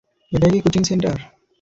এটাই কি coaching centre?